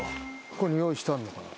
ここに用意してあんのかな？